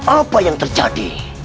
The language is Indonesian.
apa yang terjadi